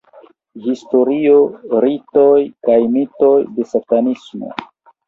Historio, ritoj kaj mitoj de satanismo.